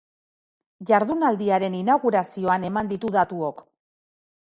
Jardunaldiaren inaugurazioan eman ditu datuok.